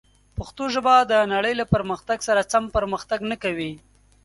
پښتو ژبه د نړۍ له پرمختګ سره سم پرمختګ نه کوي.